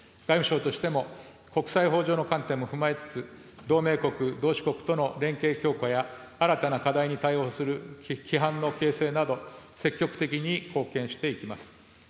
外務省としても、国際法上の観点も踏まえつつ、同盟国、同志国との連携強化や、新たな課題に対応する規範の形成など、積極的に貢献していきます。